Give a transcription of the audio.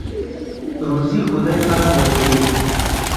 روزۍ خدای پاک ورکوي.